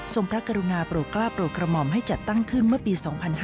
ส่งพระกรุณาโปรกราบโปรกรมมให้จัดตั้งขึ้นเมื่อปี๒๕๔๗